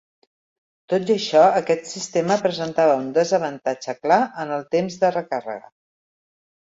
Tot i això aquest sistema presentava un desavantatge clar en el temps de recàrrega.